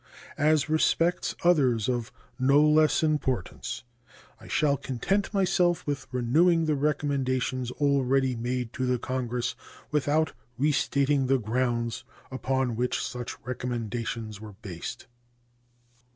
As respects others of no less importance I shall content myself with renewing the recommendations already made to the Congress, without restating the grounds upon which such recommendations were based.